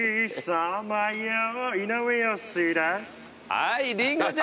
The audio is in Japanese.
はいりんごちゃんです！